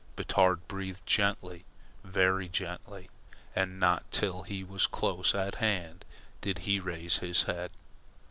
Batard breathed gently, very gently, and not till he was close at hand did he raise his head.